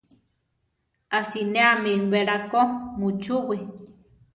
A sinéami belako muchúwii.